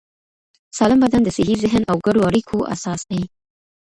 سالم بدن د صحي ذهن او ګډو اړیکو اساس دی.